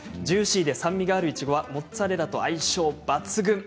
ジューシーで酸味があるいちごはモッツァレラと相性抜群。